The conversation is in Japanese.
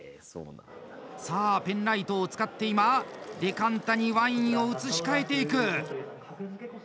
さあ、ペンライトを使って今、デカンタにワインを移し替えていく。